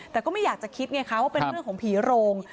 แต่ก็ไม่อยากจะคิดไงคะว่าเป็นเรื่องของผีโรง